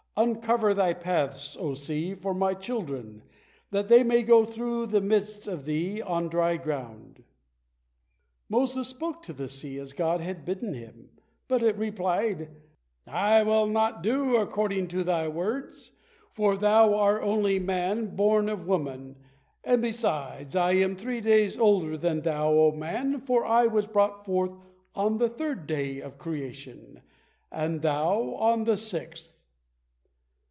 Uncover thy paths, O sea, for My children, that they may go through the midst of thee on dry ground.'" Moses spoke to the sea as God had bidden him, but it replied, "I will not do according to thy words, for thou are only a man born of woman, and, besides, I am three days older than thou, O man, for I was brought forth on the third day of creation, and thou on the sixth."